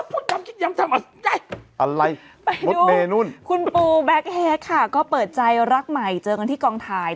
ไปดูคุณปูแบจแฮกก็เปิดใจรักใหม่เจอกันที่กองทาย